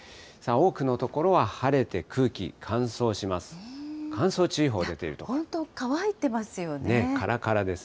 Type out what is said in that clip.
多くの所は晴れて空気乾燥します。